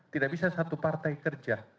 tidak bisa satu partai kerja